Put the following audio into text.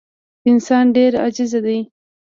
انسان ډېر عاجز دی.